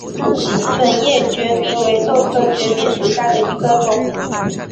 粉叶决明为豆科决明属下的一个种。